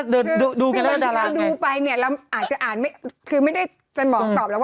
ดูดูกันแล้วก็ดาลางัก